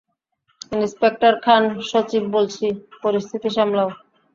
Inspector Khan, সচিব বলছি, পরিস্থিতি সামলাও।